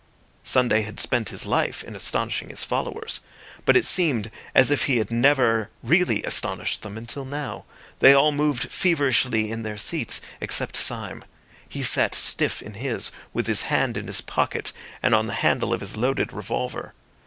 Sunday had spent his life in astonishing his followers; but it seemed as if he had never really astonished them until now. They all moved feverishly in their seats, except Syme. He sat stiff in his, with his hand in his pocket, and on the handle of his loaded revolver.